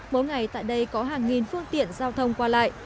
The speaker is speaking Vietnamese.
mỗi ngày tại đây có hàng nghìn phương tiện giao thông qua lại